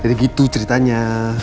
jadi gitu ceritanya